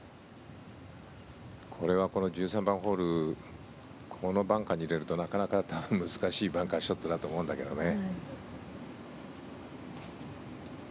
これはこの１３番ホールこのバンカーに入れるとなかなか難しいバンカーショットだと思うんだけどね。